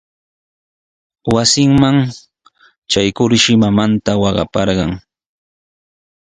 Wasinman traykurshi mamanta waqaparqan.